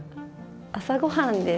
朝ごはんです。